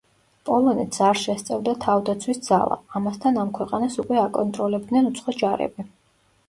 პოლონეთს არ შესწევდა თავდაცვის ძალა, ამასთან ამ ქვეყანას უკვე აკონტროლებდნენ უცხო ჯარები.